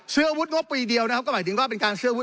เสื้ออาวุธงบปีเดียวก็หมายถึงว่าเป็นการเสื้ออาวุธ